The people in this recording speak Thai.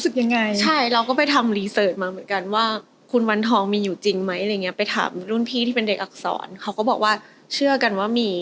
ได้เสิร์ฟมาเหมือนกันว่าคุณวันทองมีอยู่จริงไหมเหมือนกันอย่างนี้เขาขออาบภูมิ